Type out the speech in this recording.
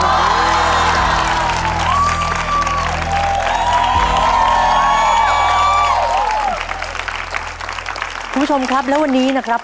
คุณผู้ชมครับแล้ววันนี้นะครับ